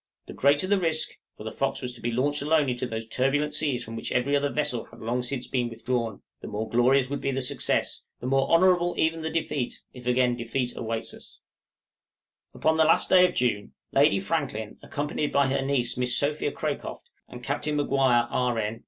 The greater the risk for the 'Fox' was to be launched alone into those turbulent seas from which every other vessel had long since been withdrawn the more glorious would be the success, the more honorable even the defeat, if again defeat awaits us. {LADY FRANKLIN'S VISIT.} Upon the last day of June, Lady Franklin, accompanied by her niece Miss Sophia Cracroft, and Capt. Maguire, R.N.